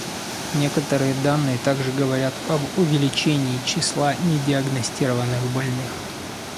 Некоторые данные также говорят об увеличении числа недиагностированных больных.